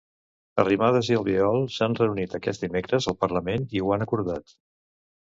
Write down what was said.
Arrimadas i Albiol s'han reunit aquest dimecres al Parlament i ho han acordat.